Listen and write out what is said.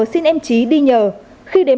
xin em trí đi nhờ khi đến